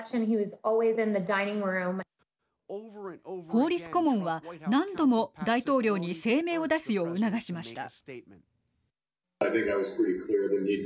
法律顧問は、何度も大統領に声明を出すよう促しました。